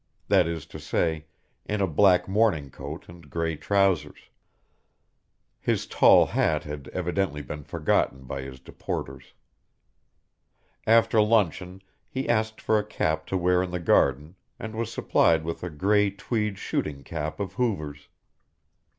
That is to say in a black morning coat and grey trousers. His tall hat had evidently been forgotten by his deporters. After luncheon he asked for a cap to wear in the garden, and was supplied with a grey tweed shooting cap of Hoover's.